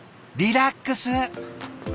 リラックス！